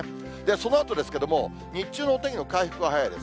そのあとですけども、日中のお天気の回復は早いです。